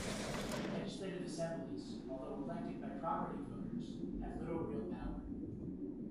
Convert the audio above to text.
Legislative assemblies, although elected by propertied voters, have little real power.